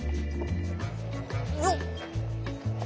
よっ！